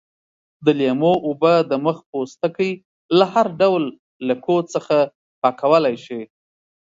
د لیمو اوبه د مخ پوستکی له هر ډول لکو څخه پاکولای شي.